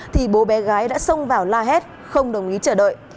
thì bố bé gái đã xông vào la hét không đồng ý chờ đợi